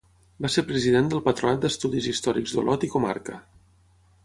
Va ser president del Patronat d'Estudis Històrics d'Olot i Comarca.